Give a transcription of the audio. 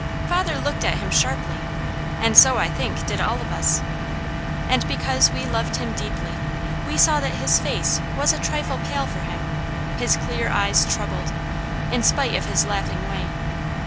Father looked at him sharply, and so, I think, did all of us. And because we loved him deeply, we saw that his face was a trifle pale for him; his clear eyes troubled, in spite of his laughing way.